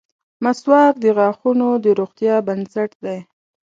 • مسواک د غاښونو د روغتیا بنسټ دی.